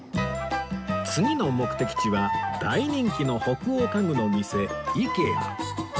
次の目的地は大人気の北欧家具の店 ＩＫＥＡ